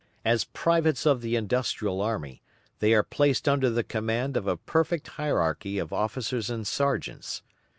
As privates of the industrial army they are placed under the command of a perfect hierarchy of officers and sergeants.